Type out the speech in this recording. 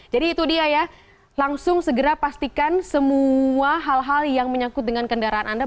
jadi itu dia ya langsung segera pastikan semua hal hal yang menyakut dengan kendaraan anda